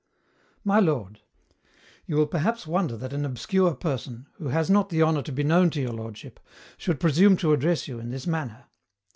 My Lord, You will perhaps wonder that an obscure person, who has not the honour to be known to your lordship, should presume to address you in this manner.